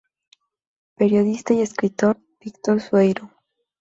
Periodista y escritor Víctor Sueiro.